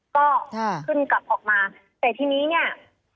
ก็ขึ้นกลับออกมาแต่ทีนี้เนี่ย